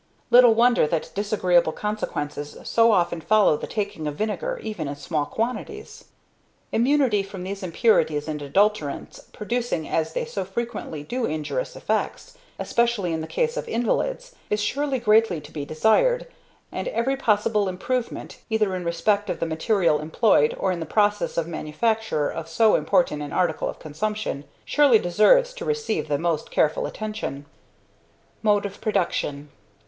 Little wonder that disagreeable consequences so often follow the taking of vinegar, even in small quantities! Immunity from these impurities and adulterants, producing as they so frequently do injurious effects, especially in the case of invalids, is surely greatly to be desired, and every possible improvement, either in respect of the material employed or in the process of manufacture of so important an article of consumption, surely deserves to receive the most careful attention. MODE OF PRODUCTION.